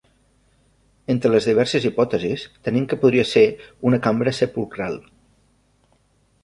Entre les diverses hipòtesis, tenim que podria ser una cambra sepulcral.